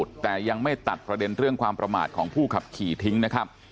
แต่ยังไม่ตัดประเด็นเรื่องความประมาทของผู้ขับขี่ทิ้งนะครับ